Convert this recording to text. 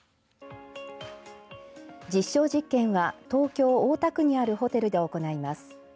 実証実験は東京大田区にあるホテルで行います。